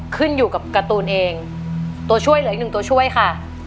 ขึ้นอยู่กับการ์ตูนเองตัวช่วยเหลืออีกหนึ่งตัวช่วยค่ะ